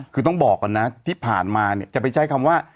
คือต้องบอกก่อนนะที่ผ่านมาเนี่ยจะไปใช้คำว่า